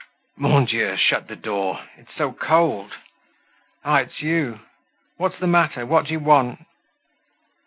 "Mon Dieu! shut the door! It's so cold! Ah! it's you! What's the matter? What do you want?"